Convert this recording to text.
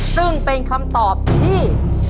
ซึ่งเป็นคำตอบที่